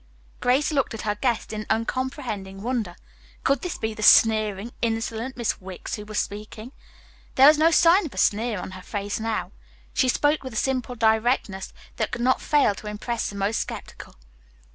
Grace looked at her guest in uncomprehending wonder. Could this be the sneering, insolent Miss Wicks who was speaking? There was no sign of a sneer on her face now. She spoke with a simple directness that could not fail to impress the most sceptical.